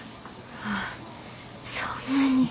ああそんなに。